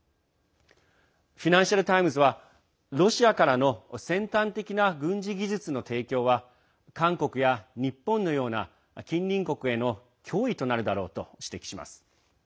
フィナンシャル・タイムズはロシアからの先端的な軍事技術の提供は韓国や日本のような近隣国への脅威となるだろうと指摘します。